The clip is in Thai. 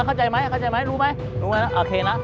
เข้าใจไหมเข้าใจไหมรู้ไหมรู้ไหมนะโอเคนะ